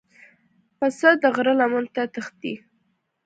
پسه د غره لمنو ته تښتي.